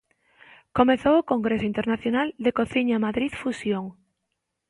Comezou o congreso internacional de cociña Madrid Fusión.